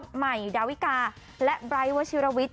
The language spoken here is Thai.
ไบร์ทดาวิกาและไบร์ทวัชิรวิน